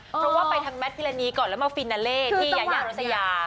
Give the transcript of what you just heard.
เพราะว่าไปทางแมทพิรณีก่อนแล้วมาฟินนาเล่ที่ยายารัสยา